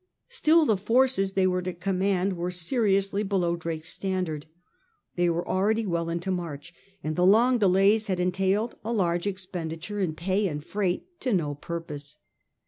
Still the forces they were to command were seriously below Drake's standard. They were already well into March, and the long delays had entailed a large expenditure in pay and freight to no purpose.